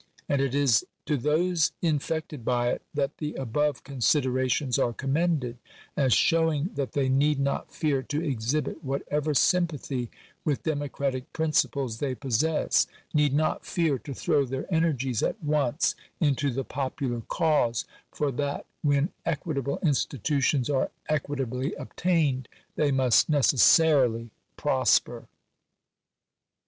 And it is to those infected by it that the above considerations are com mended, as showing that they need not fear to exhibit whatever sympathy with democratic principles they possess — need not fear to throw their energies at once into the popular cause, for that when equitable institutions are equitably obtained, they must necessarily prosper.